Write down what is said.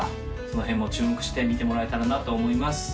その辺も注目して見てもらえたらなと思います